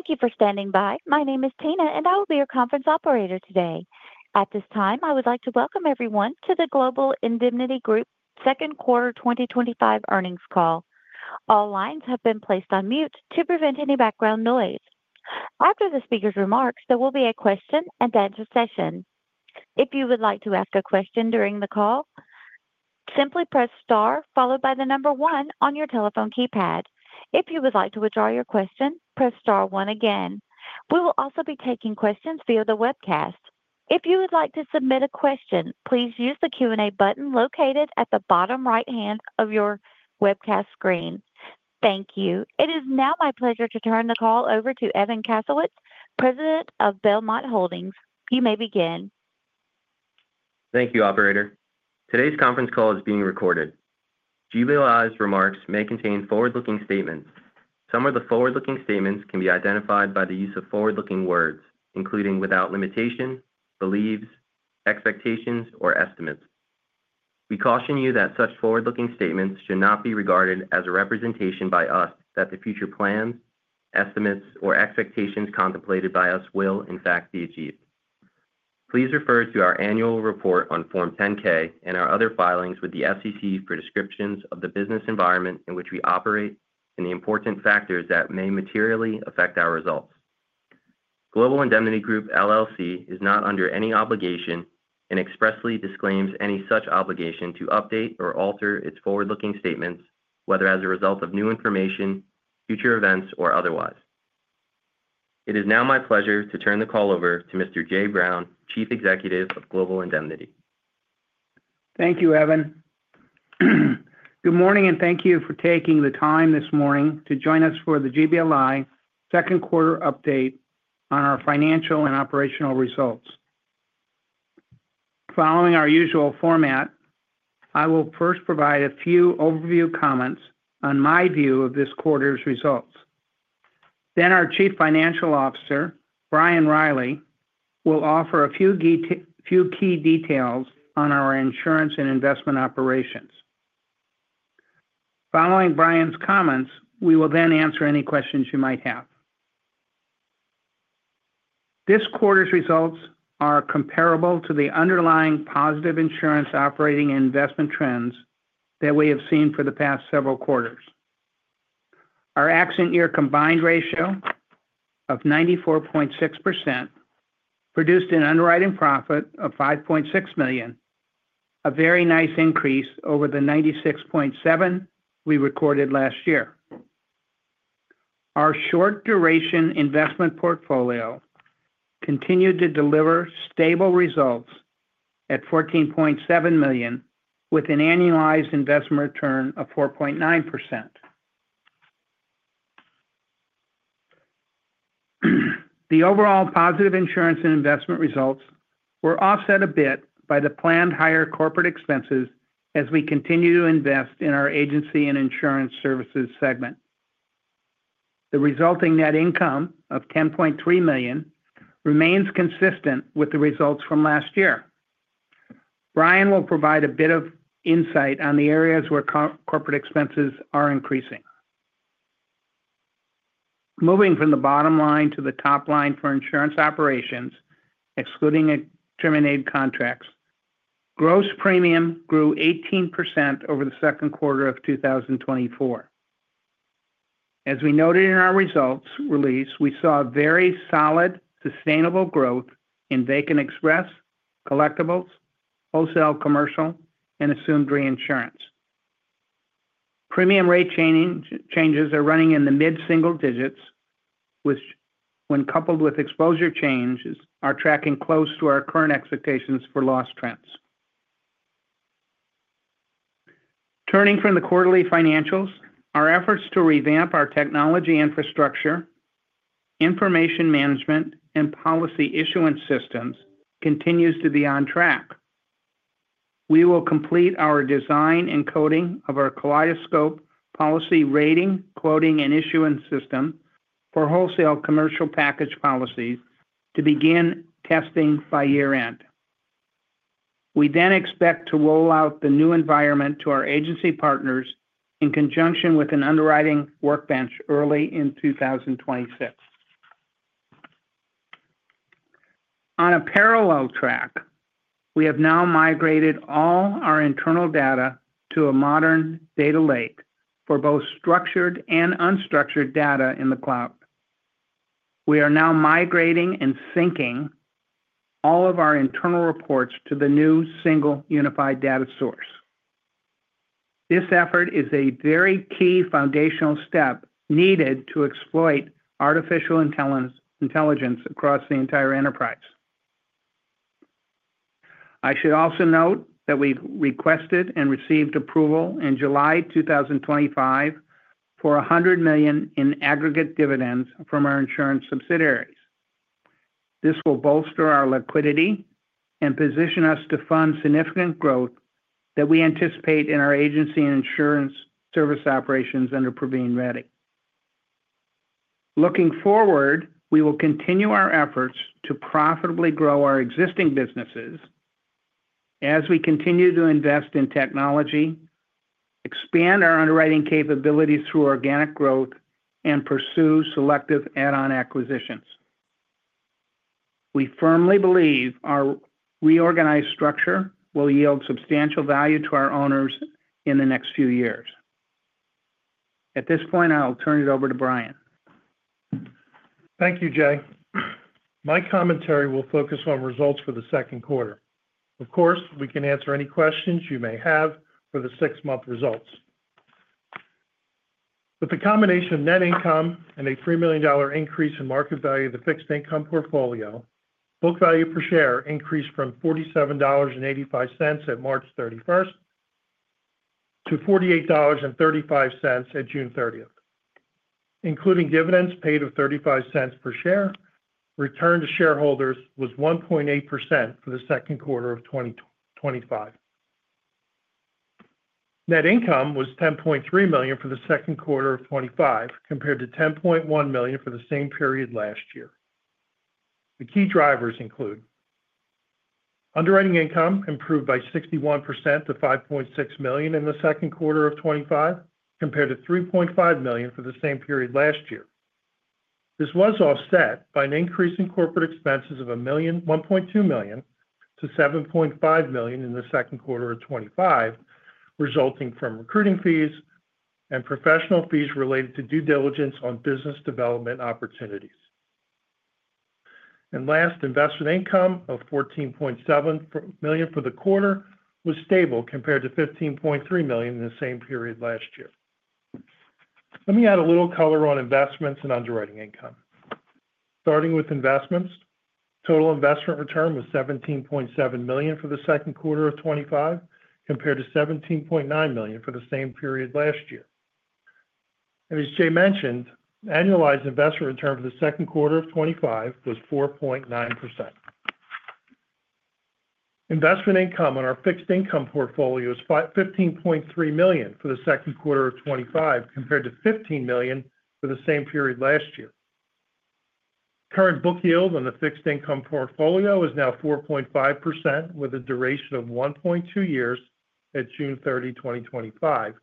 Thank you for standing by. My name is Tina, and I will be your conference operator today. At this time, I would like to welcome everyone to the Global Indemnity Group Second Quarter 2025 Earnings Call. All lines have been placed on mute to prevent any background noise. After the speakers' remarks, there will be a question and answer session. If you would like to ask a question during the call, simply press star followed by the number one on your telephone keypad. If you would like to withdraw your question, press star one again. We will also be taking questions via the webcast. If you would like to submit a question, please use the Q&A button located at the bottom right-hand of your webcast screen. Thank you. It is now my pleasure to turn the call over to Evan Kasowitz, President of Belmont Holdings. You may begin. Thank you, Operator. Today's conference call is being recorded. GBLI's remarks may contain forward-looking statements. Some of the forward-looking statements can be identified by the use of forward-looking words, including, without limitation, believes, expectations, or estimates. We caution you that such forward-looking statements should not be regarded as a representation by us that the future plans, estimates, or expectations contemplated by us will, in fact, be achieved. Please refer to our annual report on Form 10-K and our other filings with the SEC for descriptions of the business environment in which we operate and the important factors that may materially affect our results. Global Indemnity Group LLC is not under any obligation and expressly disclaims any such obligation to update or alter its forward-looking statements, whether as a result of new information, future events, or otherwise. It is now my pleasure to turn the call over to Mr. Jay Brown, Chief Executive of Global Indemnity. Thank you, Evan. Good morning, and thank you for taking the time this morning to join us for the GBLI second quarter update on our financial and operational results. Following our usual format, I will first provide a few overview comments on my view of this quarter's results. Then our Chief Financial Officer, Brian Riley, will offer a few key details on our insurance and investment operations. Following Brian's comments, we will then answer any questions you might have. This quarter's results are comparable to the underlying positive insurance operating and investment trends that we have seen for the past several quarters. Our exit year combined ratio of 94.6% produced an underwriting profit of $5.6 million, a very nice increase over the 96.7% we recorded last year. Our short-duration investment portfolio continued to deliver stable results at $14.7 million, with an annualized investment return of 4.9%. The overall positive insurance and investment results were offset a bit by the planned higher corporate expenses as we continue to invest in our agency and insurance services segment. The resulting net income of $10.3 million remains consistent with the results from last year. Brian will provide a bit of insight on the areas where corporate expenses are increasing. Moving from the bottom line to the top line for insurance operations, excluding terminated contracts, gross premium grew 18% over the second quarter of 2024. As we noted in our results release, we saw very solid, sustainable growth in Vacant Express, Collectibles, Wholesale Commercial, and Assumed Reinsurance. Premium rate changes are running in the mid-single digits, which, when coupled with exposure changes, are tracking close to our current expectations for loss trends. Turning from the quarterly financials, our efforts to revamp our technology infrastructure, information management, and policy issuance systems continue to be on track. We will complete our design and coding of our Kaleidoscope policy rating, quoting, and issuance system for Wholesale Commercial package policies to begin testing by year-end. We then expect to roll out the new environment to our agency partners in conjunction with an underwriting workbench early in 2026. On a parallel track, we have now migrated all our internal data to a modern data lake for both structured and unstructured data in the cloud. We are now migrating and syncing all of our internal reports to the new single unified data source. This effort is a very key foundational step needed to exploit artificial intelligence across the entire enterprise. I should also note that we've requested and received approval in July 2025 for $100 million in aggregate dividends from our insurance subsidiaries. This will bolster our liquidity and position us to fund significant growth that we anticipate in our agency and insurance service operations under Previne Reddy. Looking forward, we will continue our efforts to profitably grow our existing businesses as we continue to invest in technology, expand our underwriting capabilities through organic growth, and pursue selective add-on acquisitions. We firmly believe our reorganized structure will yield substantial value to our owners in the next few years. At this point, I'll turn it over to Brian. Thank you, Jay. My commentary will focus on results for the second quarter. Of course, we can answer any questions you may have for the six-month results. With the combination of net income and a $3 million increase in market value of the fixed income portfolio, book value per share increased from $47.85 at March 31st to $48.35 at June 30th. Including dividends paid of $0.35 per share, return to shareholders was 1.8% for the second quarter of 2025. Net income was $10.3 million for the second quarter of 2025 compared to $10.1 million for the same period last year. The key drivers include underwriting income improved by 61% to $5.6 million in the second quarter of 2025 compared to $3.5 million for the same period last year. This was offset by an increase in corporate expenses of $1.2 million to $7.5 million in the second quarter of 2025, resulting from recruiting fees and professional fees related to due diligence on business development opportunities. Investment income of $14.7 million for the quarter was stable compared to $15.3 million in the same period last year. Let me add a little color on investments and underwriting income. Starting with investments, total investment return was $17.7 million for the second quarter of 2025 compared to $17.9 million for the same period last year. As Jay mentioned, annualized investment return for the second quarter of 2025 was 4.9%. Investment income on our fixed income portfolio is $15.3 million for the second quarter of 2025 compared to $15 million for the same period last year. Current book yield on the fixed income portfolio is now 4.5% with a duration of 1.2 years at June 30, 2025,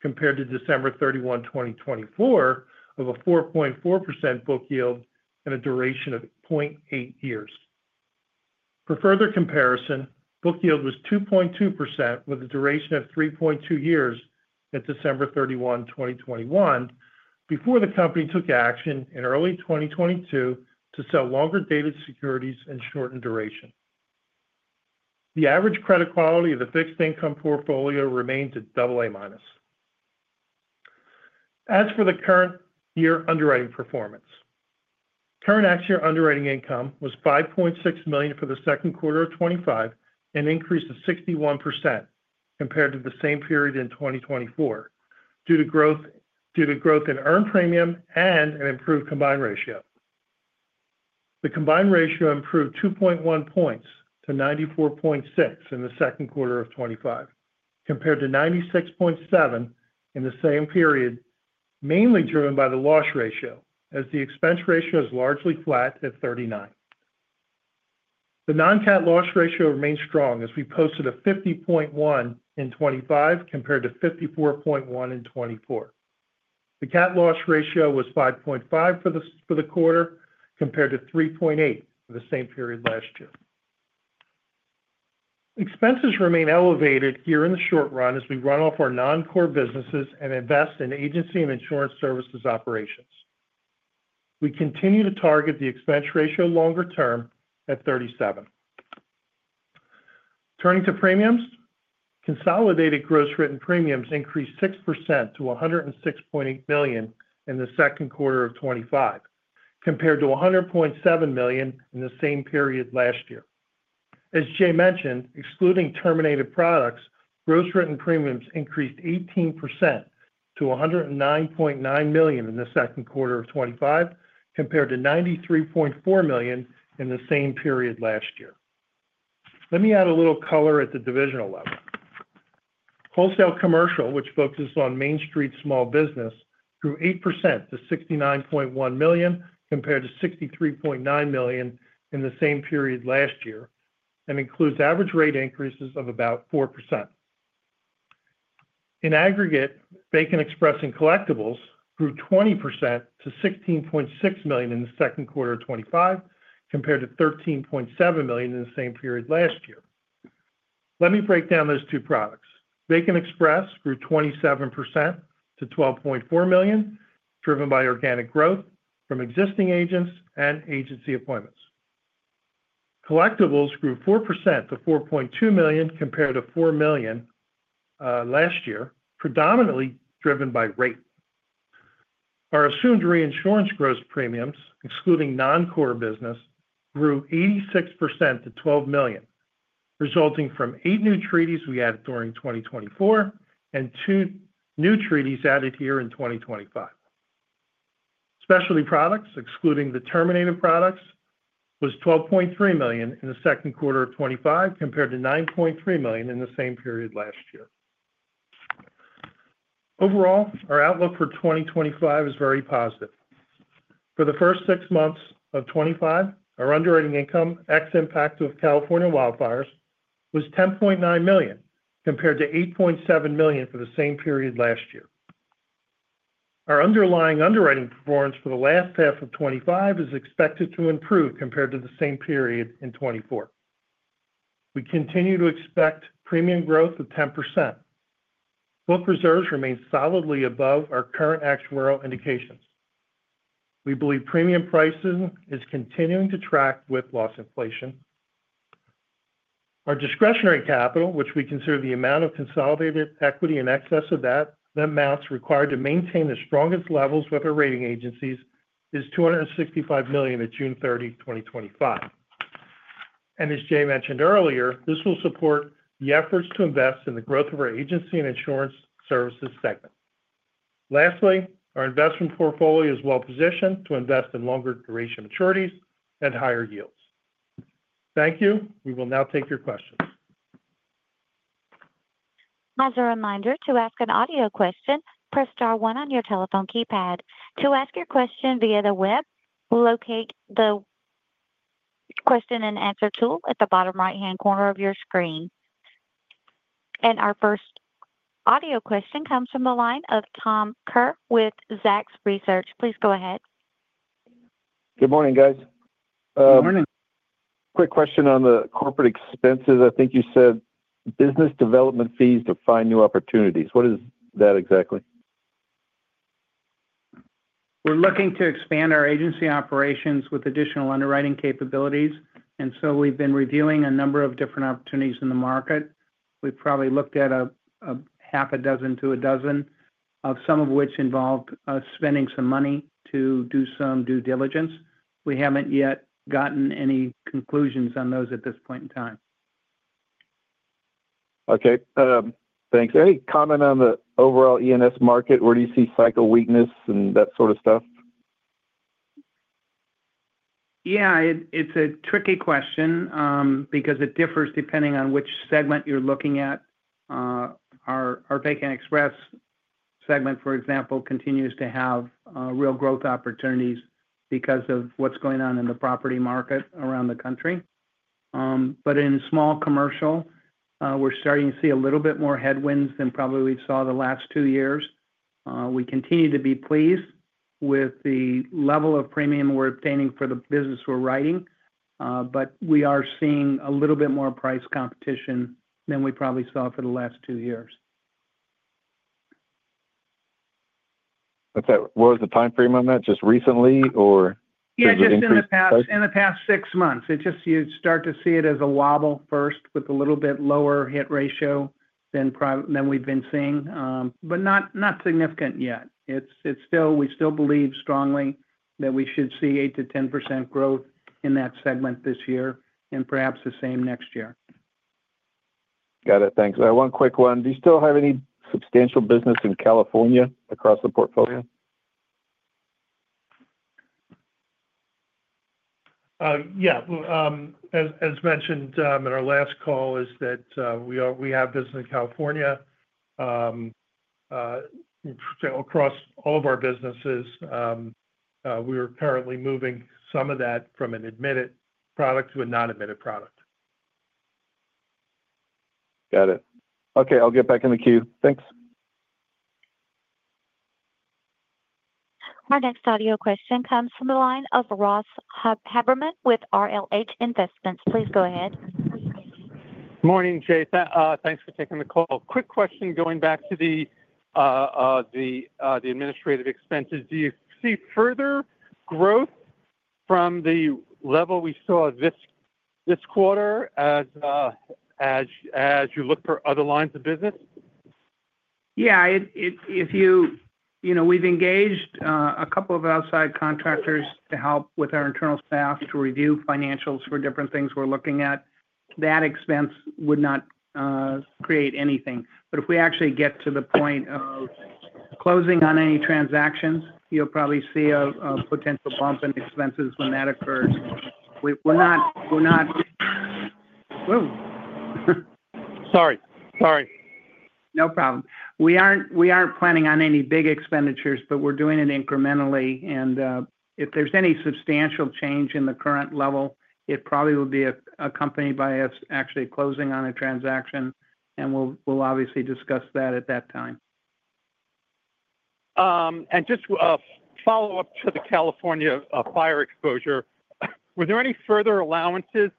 compared to December 31, 2024, of a 4.4% book yield and a duration of 0.8 years. For further comparison, book yield was 2.2% with a duration of 3.2 years at December 31, 2021, before the company took action in early 2022 to sell longer-dated securities and shorten duration. The average credit quality of the fixed income portfolio remains at AA-. As for the current year underwriting performance, current actual underwriting income was $5.6 million for the second quarter of 2025 and increased to 61% compared to the same period in 2024 due to growth in earned premium and an improved combined ratio. The combined ratio improved 2.1 points to 94.6 in the second quarter of 2025 compared to 96.7 in the same period, mainly driven by the loss ratio, as the expense ratio is largely flat at 39. The non-cat loss ratio remains strong as we posted a 50.1 in 2025 compared to 54.1 in 2024. The cat loss ratio was 5.5% for the quarter compared to 3.8% for the same period last year. Expenses remain elevated here in the short run as we run off our non-core businesses and invest in agency and insurance services operations. We continue to target the expense ratio longer term at 37%. Turning to premiums, consolidated gross written premiums increased 6% to $106.8 million in the second quarter of 2025 compared to $100.7 million in the same period last year. As Jay mentioned, excluding terminated products, gross written premiums increased 18% to $109.9 million in the second quarter of 2025 compared to $93.4 million in the same period last year. Let me add a little color at the divisional level. Wholesale Commercial, which focuses on Main Street small business, grew 8% to $69.1 million compared to $63.9 million in the same period last year and includes average rate increases of about 4%. In aggregate, Vacant Express and Collectibles grew 20% to $16.6 million in the second quarter of 2025 compared to $13.7 million in the same period last year. Let me break down those two products. Vacant Express grew 27% to $12.4 million, driven by organic growth from existing agents and agency appointments. Collectibles grew 4% to $4.2 million compared to $4 million last year, predominantly driven by rate. Our Assumed Reinsurance gross premiums, excluding non-core business, grew 86% to $12 million, resulting from eight new treaties we added during 2024 and two new treaties added here in 2025. Specialty products, excluding the terminated products, were $12.3 million in the second quarter of 2025 compared to $9.3 million in the same period last year. Overall, our outlook for 2025 is very positive. For the first six months of 2025, our underwriting income, ex-impact of California wildfires, was $10.9 million compared to $8.7 million for the same period last year. Our underlying underwriting performance for the last half of 2025 is expected to improve compared to the same period in 2024. We continue to expect premium growth of 10%. Book reserves remain solidly above our current actuarial indications. We believe premium pricing is continuing to track with loss inflation. Our discretionary capital, which we consider the amount of consolidated equity in excess of that amount required to maintain the strongest levels with our rating agencies, is $265 million at June 30, 2025. As Jay mentioned earlier, this will support the efforts to invest in the growth of our agency and insurance services segment. Lastly, our investment portfolio is well positioned to invest in longer duration maturities and higher yields. Thank you. We will now take your questions. As a reminder, to ask an audio question, press star one on your telephone keypad. To ask your question via the web, locate the question and answer tool at the bottom right-hand corner of your screen. Our first audio question comes from the line of Tom Kerr with Zacks Research. Please go ahead. Good morning, guys. Good morning. Quick question on the corporate expenses. I think you said business development fees to find new opportunities. What is that exactly? We're looking to expand our agency operations with additional underwriting capabilities, and we've been reviewing a number of different opportunities in the market. We've probably looked at a half a dozen to a dozen, some of which involved us spending some money to do some due diligence. We haven't yet gotten any conclusions on those at this point in time. Okay. Thanks. Any comment on the overall E&S market? Where do you see cycle weakness and that sort of stuff? Yeah, it's a tricky question because it differs depending on which segment you're looking at. Our Vacant Express segment, for example, continues to have real growth opportunities because of what's going on in the property market around the country. In small commercial, we're starting to see a little bit more headwinds than probably we saw the last two years. We continue to be pleased with the level of premium we're obtaining for the business we're writing, but we are seeing a little bit more price competition than we probably saw for the last two years. Okay. What was the time frame on that? Just recently or? Yeah, just in the past six months. You start to see it as a wobble first with a little bit lower hit ratio than we've been seeing, but not significant yet. We still believe strongly that we should see 8%-10% growth in that segment this year and perhaps the same next year. Got it. Thanks. One quick one. Do you still have any substantial business in California across the portfolio? As mentioned in our last call, we have business in California. Across all of our businesses, we are currently moving some of that from an admitted product to a non-admitted product. Got it. Okay, I'll get back in the queue. Thanks. Our next audio question comes from the line of Ross Haberman with RLH Investments. Please go ahead. Morning, Jay. Thanks for taking the call. Quick question going back to the administrative expenses. Do you see further growth from the level we saw this quarter as you look for other lines of business? Yeah. We've engaged a couple of outside contractors to help with our internal staff to review financials for different things we're looking at. That expense would not create anything, but if we actually get to the point of closing on any transactions, you'll probably see a potential bump in expenses when that occurs. We're not, we're not, whoa. Sorry. Sorry. No problem. We aren't planning on any big expenditures, but we're doing it incrementally. If there's any substantial change in the current level, it probably will be accompanied by us actually closing on a transaction, and we'll obviously discuss that at that time. Regarding the California fire exposure, were there any further allowances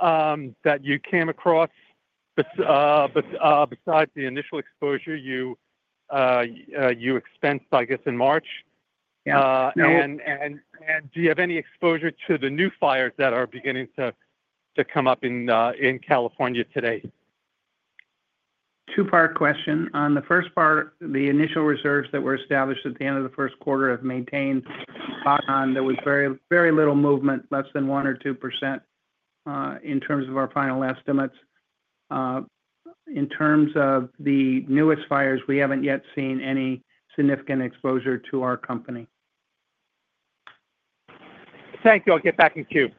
that you came across besides the initial exposure you expensed, I guess, in March? Yeah. Do you have any exposure to the new fires that are beginning to come up in California today? Two-part question. On the first part, the initial reserves that were established at the end of the first quarter have maintained. There was very, very little movement, less than 1% or 2% in terms of our final estimates. In terms of the newest fires, we haven't yet seen any significant exposure to our company. Thank you. I'll get back in queue.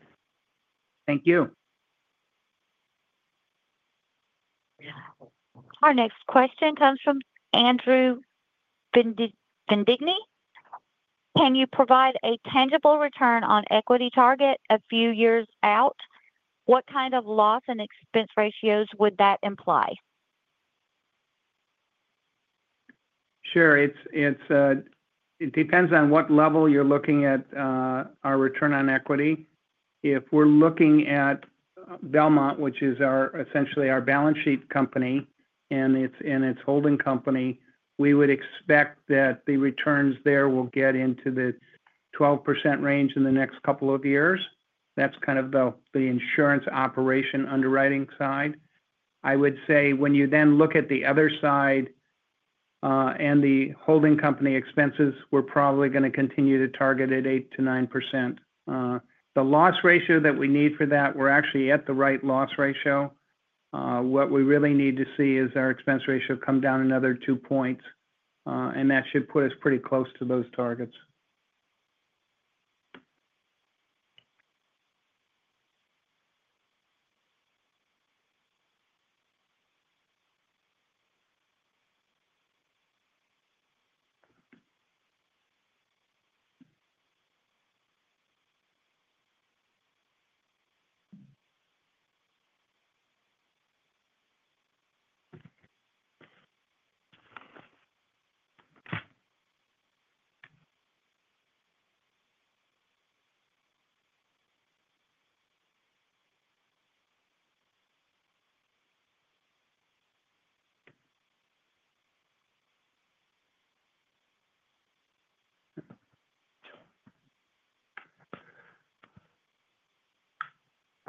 Thank you. Our next question comes from Andrew Vindigni. Can you provide a tangible return on equity target a few years out? What kind of loss and expense ratios would that imply? Sure. It depends on what level you're looking at our return on equity. If we're looking at Belmont, which is essentially our balance sheet company and its holding company, we would expect that the returns there will get into the 12% range in the next couple of years. That's kind of the insurance operation underwriting side. I would say when you then look at the other side and the holding company expenses, we're probably going to continue to target at 8%-9%. The loss ratio that we need for that, we're actually at the right loss ratio. What we really need to see is our expense ratio come down another two points, and that should put us pretty close to those targets.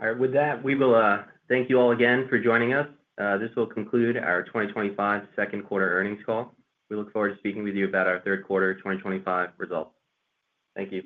All right. With that, we will thank you all again for joining us. This will conclude our 2025 second quarter earnings call. We look forward to speaking with you about our third quarter 2025 results. Thank you.